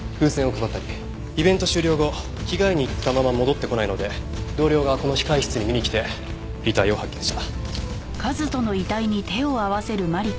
イベント終了後着替えに行ったまま戻ってこないので同僚がこの控室に見に来て遺体を発見した。